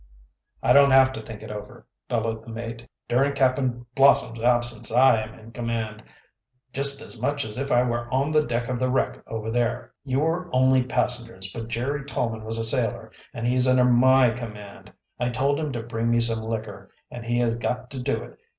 "I don't have to think it over!" bellowed the mate. "During Cap'n Blossom's absence I am in command, just as much as if we were on the deck of the wreck over there. You were only passengers, but Jerry Tolman was a sailor, and he's under my command. I told him to bring me some liquor, and he has got to do it.